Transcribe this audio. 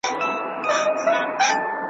ستا بچیان هم زموږ په څېر دي نازولي؟ `